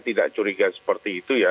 tidak curiga seperti itu ya